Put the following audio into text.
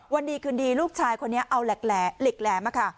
วันดีคืนดีลูกชายคนนี้เอาเหล็กแหลมค่ะ